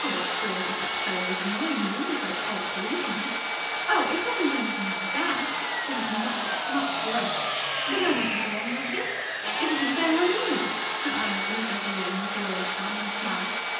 "But surely, if that fellow was annoying you, you could have called a policeman?" "Oh, it wasn't anything like that. It was much, much worse. But I mustn't go on like this. It isn't fair on you." Her eyes lit up again with the old shining smile.